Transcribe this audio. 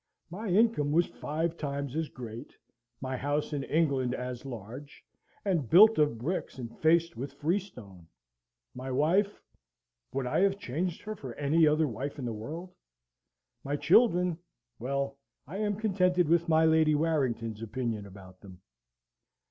My income was five times as great, my house in England as large, and built of bricks and faced with freestone; my wife would I have changed her for any other wife in the world? My children well, I am contented with my Lady Warrington's opinion about them.